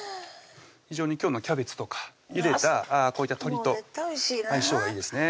非常に今日のキャベツとかゆでたこういった鶏ともう絶対おいしいな相性がいいですね